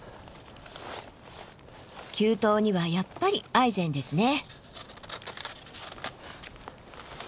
急登にはやっぱりアイゼンですね。